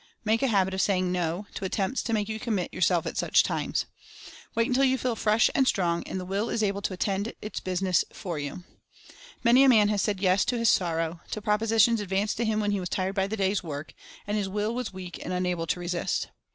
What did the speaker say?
Make a habit of saying "No!" to attempts to make you commit yourself at such times. Wait until you feel fresh and strong, and the Will is able to attend to \s 44 Mental Fascination its business for you. Many a man has said "Yes !" to his sorrow, to propositions advanced to him when he was tired by the day's work, and his Will was weak and unable to resist.